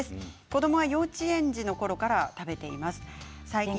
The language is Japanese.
子どもも幼稚園のころから食べています。